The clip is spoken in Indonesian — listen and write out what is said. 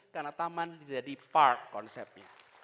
karena taman jadi park konsepnya